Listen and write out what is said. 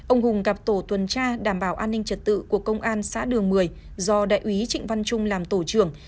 ông hùng gặp tổ tuần tra đảm bảo an ninh trật tự của công an xã đường một mươi do đại úy trịnh văn trung làm tổ trưởng